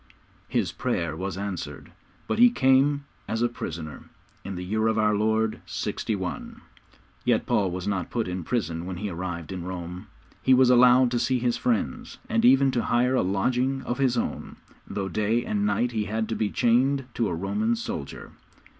His prayer was answered, but he came as a prisoner in the year of our Lord 61. Yet Paul was not put in prison when he arrived in Rome. He was allowed to see his friends, and even to hire a lodging of his own, though day and night he had to be chained to a Roman soldier.